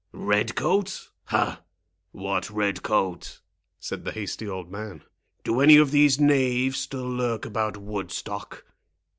"Red coat—ha! what red coat?" said the hasty old man. "Do any of these knaves still lurk about Woodstock?